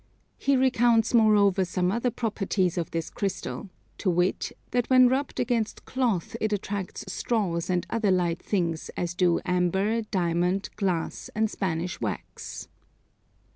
He recounts moreover some other properties of this Crystal; to wit, that when rubbed against cloth it attracts straws and other light things as do amber, diamond, glass, and Spanish wax.